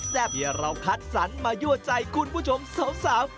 แทบที่เราคัดสรรค์มายั่วใจคุณผู้ชมสาว